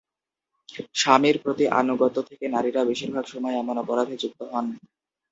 স্বামীর প্রতি আনুগত্য থেকে নারীরা বেশির ভাগ সময় এমন অপরাধে যুক্ত হন।